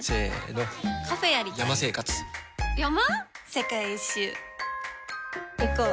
世界一周いこう。